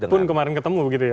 pun kemarin ketemu begitu ya